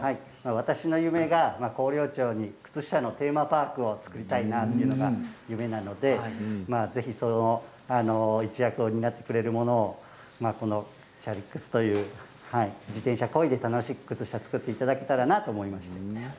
私の夢が広陵町に靴下のテーマパークを作りたいなというのが夢なので一役を担ってくれるものをチャリックスという自転車をこいで楽しい靴下を作ってもらえたらなと思いまして。